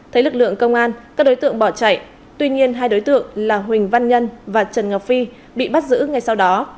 thấy lực lượng công an các đối tượng bỏ chạy tuy nhiên hai đối tượng là huỳnh văn nhân và trần ngọc phi bị bắt giữ ngay sau đó